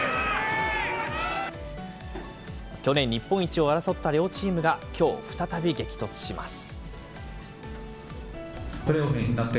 去年、日本一を争った両チームがきょう、再び激突します。